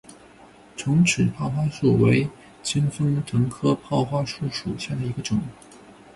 重齿泡花树为清风藤科泡花树属下的一个种。